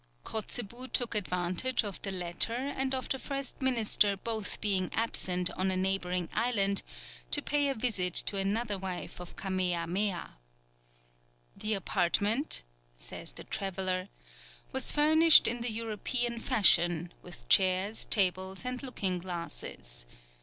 Kotzebue took advantage of the latter and of the first minister both being absent on a neighbouring island, to pay a visit to another wife of Kamea Mea. "The apartment," says the traveller, "was furnished in the European fashion, with chairs, tables, and looking glasses.